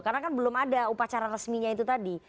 karena kan belum ada upacara resminya itu tadi